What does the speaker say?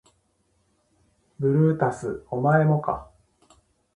ブルータスお前もか